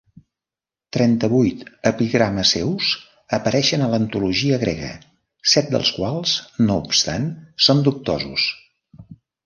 Trenta-vuit epigrames seus apareixen a l'antologia grega, set dels quals no obstant són dubtosos.